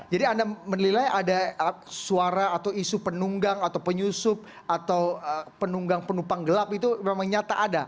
jadi anda menilai ada suara atau isu penunggang atau penyusup atau penunggang penumpang gelap itu memang nyata ada